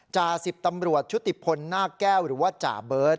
จ่าสิบตำรวจชุติพลหน้าแก้วหรือว่าจ่าเบิร์ต